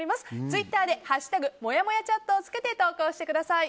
ツイッターで「＃もやもやチャット」をつけて投稿してください。